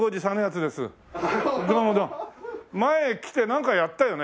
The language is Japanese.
前来てなんかやったよね？